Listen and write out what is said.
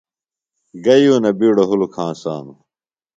گہ یونہ بِیڈوۡ ہُلُک ہنسانوۡ؟